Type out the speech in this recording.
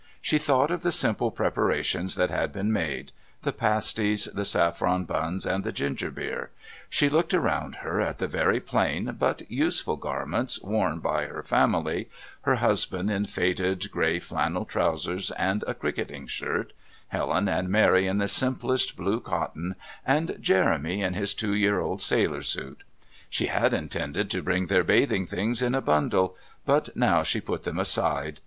She thought of the simple preparations that had been made the pasties, the saffron buns and the ginger beer; she looked around her at the very plain but useful garments worn by her family, her husband in faded grey flannel trousers and a cricketing shirt, Helen and Mary in the simplest blue cotton, and Jeremy in his two year old sailor suit. She had intended to bring their bathing things in a bundle, but now she put them aside.